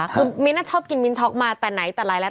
คุณมิ้นท์อะชอบกินมิ้นท์ช็อกมาตั้งแต่ไหนตลายแล้ว